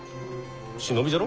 忍びじゃろ？